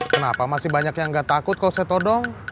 kenapa masih banyak yang gak takut kalau saya todong